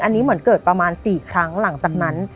อันนี้เหมือนเกิดประมาณ๔ครั้งหลังจากนั้น